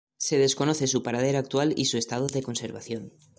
Se desconoce su paradero actual y su estado de conservación.